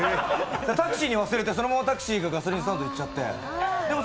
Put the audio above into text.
タクシーに忘れてそのままタクシーがガソリンスタンドに行って。